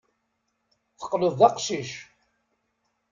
Teqqleḍ d aqcic.